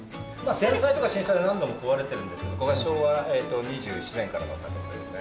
戦災とか震災で何度も壊れてるんですけどここが昭和２７年からの建物ですね。